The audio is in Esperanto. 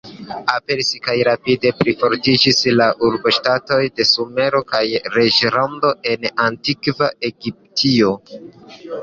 Aperis kaj rapide plifortiĝis la urboŝtatoj de Sumero kaj reĝlando en Antikva Egiptio.